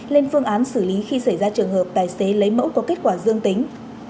lên phương án xử lý khi xảy ra trường hợp tài xế lấy mẫu có kết quả dương tính